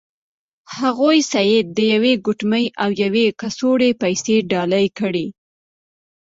هغوی سید ته یوه ګوتمۍ او یوه کڅوړه پیسې ډالۍ کړې.